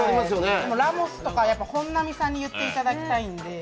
ラモスとかは本並さんに言っていただきたいんで。